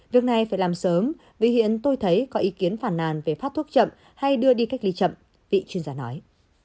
việc này phải làm sớm vì hiện tôi thấy có ý kiến phản nàn về phát thuốc chậm hay đưa đi cách ly chậm vị chuyên gia nói